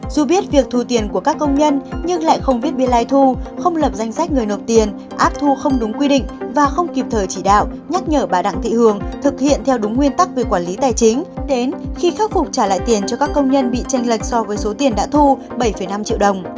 dù biết việc thu tiền của các công nhân nhưng lại không biết biên lai thu không lập danh sách người nộp tiền áp thu không đúng quy định và không kịp thời chỉ đạo nhắc nhở bà đặng thị hường thực hiện theo đúng nguyên tắc về quản lý tài chính đến khi khắc phục trả lại tiền cho các công nhân bị tranh lệch so với số tiền đã thu bảy năm triệu đồng